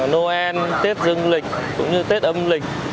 như là noel tết dương lịch cũng như tết âm lịch